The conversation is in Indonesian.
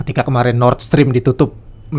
ketika kemarin nord stream ditutup enam puluh